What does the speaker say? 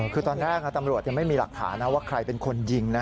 คือตอนแรกตำรวจยังไม่มีหลักฐานนะว่าใครเป็นคนยิงนะ